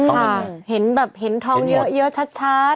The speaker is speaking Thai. ค่ะเห็นแบบเห็นทองเยอะชัด